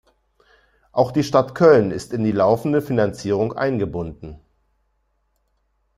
Auch die Stadt Köln ist in die laufende Finanzierung eingebunden.